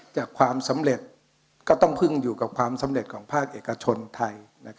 จากความสำเร็จก็ต้องพึ่งอยู่กับความสำเร็จของภาคเอกชนไทย